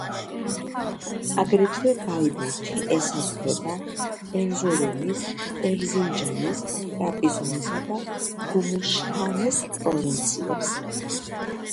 აგრეთვე, ბაიბურთი ესაზღვრება ერზურუმის, ერზინჯანის, ტრაპიზონისა და გუმუშჰანეს პროვინციებს.